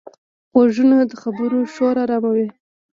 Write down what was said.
غوږونه د خبرو شور آراموي